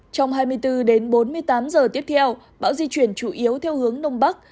trong hai mươi bốn đến bốn mươi tám giờ tiếp theo bão di chuyển chủ yếu theo hướng đông bắc